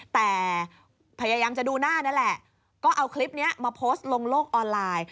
แต่พยายามจะดูหน้านั่นแหละก็เอาคลิปนี้มาโพสต์ลงโลกออนไลน์